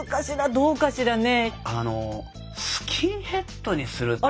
どうかしらね。